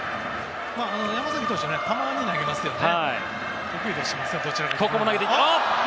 山崎投手はたまに投げますね。